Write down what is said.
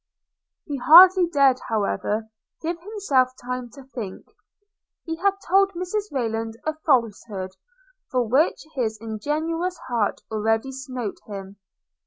He hardly dared, however, give himself time to think. He had told Mrs Rayland a falsehood, for which his ingenuous heart already smote him.